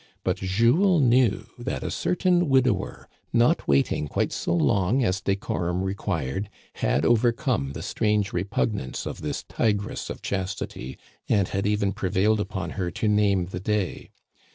But Jules knew that a certain widower, not waiting quite so long as decorum required, had over come the strange repugnance of this tigress of chastity, and had even prevailed upon her to name the day.